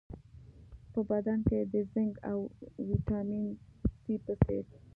په بدن کې د زېنک او ویټامین سي په څېر